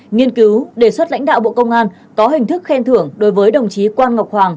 nghiên cứu đề xuất lãnh đạo bộ công an có hình thức khen thưởng đối với đồng chí quan ngọc hoàng